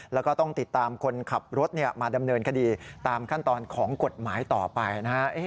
แล้วก็ต้องติดตามคนขับรถมาดำเนินคดีตามขั้นตอนของกฎหมายต่อไปนะฮะ